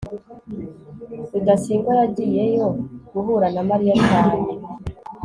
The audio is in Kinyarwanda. rudasingwa yagiyeyo guhura na mariya cyane